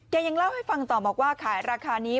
ยังเล่าให้ฟังต่อบอกว่าขายราคานี้